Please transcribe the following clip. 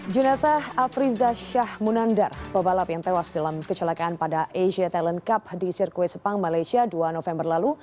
jenazah afriza shah munandar pebalap yang tewas dalam kecelakaan pada asia talent cup di sirkuit sepang malaysia dua november lalu